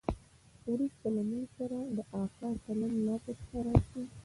وروسته له موږ سره د اکا چلند لا پسې خراب سو.